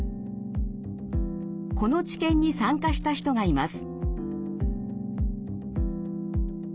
この治験に参加した人がいます。